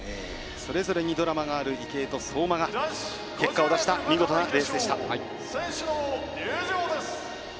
それぞれにドラマある池江と相馬が結果を出したレースでした。